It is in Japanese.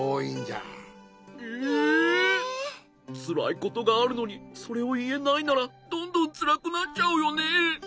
つらいことがあるのにそれをいえないならどんどんつらくなっちゃうよね。